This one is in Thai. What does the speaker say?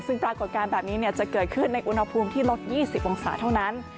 ซึ่งปรากฏการณ์แบบนี้จะเกิดขึ้นในอุณหภูมิที่ลด๒๐องศาเท่านั้น